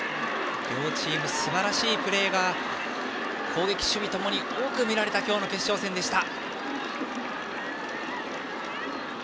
両チームすばらしいプレーが攻撃、守備共に多く見られた決勝戦でした。